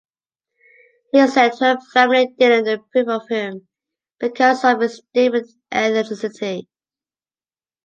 He said her family didn't approve of him because of his different ethnicity.